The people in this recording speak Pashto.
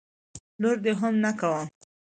لور دي هم نه کوم.